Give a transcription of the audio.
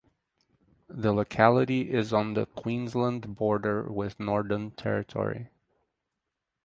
The locality is on the Queensland border with Northern Territory.